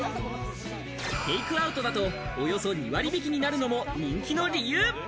テイクアウトだと、およそ２割引きになるのも人気の理由。